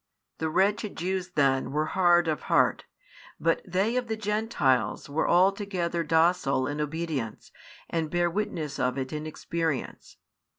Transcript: The wretched Jews then were hard of heart, but they of the Gentiles were altogether docile in obedience and bear witness of it in experience.